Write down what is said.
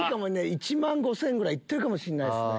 １万５０００円ぐらい行ってるかもしれないですね。